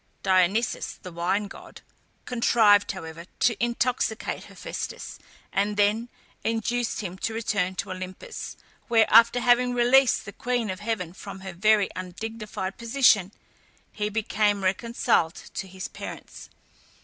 Dionysus, the wine god, contrived, however, to intoxicate Hephæstus, and then induced him to return to Olympus, where, after having released the queen of heaven from her very undignified position, he became reconciled to his parents.